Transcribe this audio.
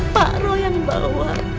pak roy yang membawa